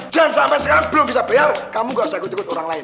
sampai sekarang belum bisa bayar kamu gak usah ikut ikut orang lain